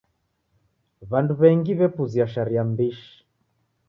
W'andu w'engi w'epuzia sharia mbishi.